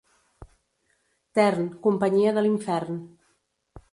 Tern, companyia de l'infern.